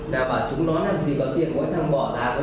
đã bảo chúng nó làm gì có tiền mỗi thằng bỏ ra có ít tiền